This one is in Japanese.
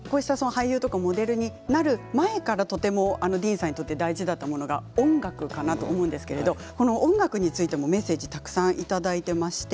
俳優とかモデルになる前からとてもディーンさんにとって大事なのは音楽かなと思うんですがメッセージをたくさんいただいています。